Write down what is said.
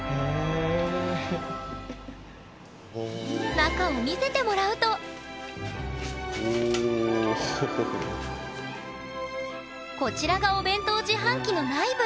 中を見せてもらうとこちらがお弁当自販機の内部。